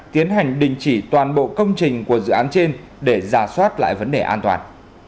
tiến hành đình chỉ toàn bộ công trình của dự án trên để giả soát lại vấn đề an toàn